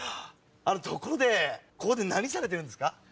ところでここで何されてるんですか？